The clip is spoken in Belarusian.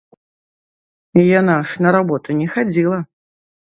Яна ж на работу не хадзіла.